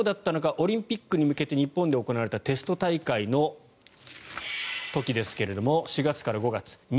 オリンピックに向けて日本で行われたテスト大会の時ですが４月から５月。